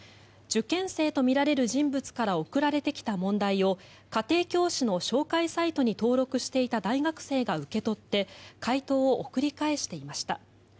受験生とみられる人物から送られてきた問題を家庭教師の紹介サイトに登録していた大学生が受け取って解答を送り返していました。